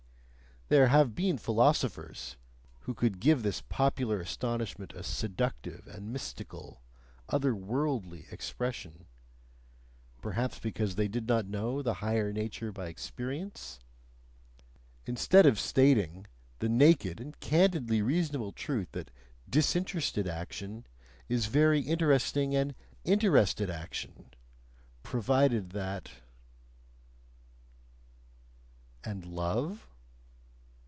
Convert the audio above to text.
There have been philosophers who could give this popular astonishment a seductive and mystical, other worldly expression (perhaps because they did not know the higher nature by experience?), instead of stating the naked and candidly reasonable truth that "disinterested" action is very interesting and "interested" action, provided that... "And love?"